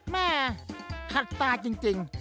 แม่ขัดตาจริง